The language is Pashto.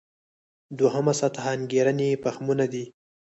دوهمه سطح انګېرنې فهمونه دي.